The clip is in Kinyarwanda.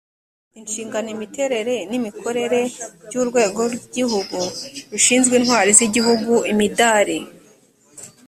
inshingano imiterere n imikorere by urwego rw igihugu rushinzwe intwari z igihugu imidari